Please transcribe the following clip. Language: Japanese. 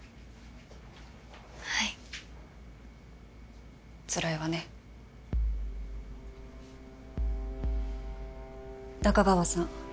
はいつらいわね仲川さん